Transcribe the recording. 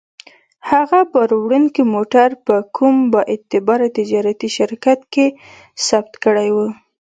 هغه باروړونکی موټر په کوم با اعتباره تجارتي شرکت کې ثبت کړی و.